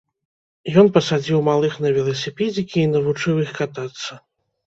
Ён пасадзіў малых на веласіпедзікі і навучыў іх катацца.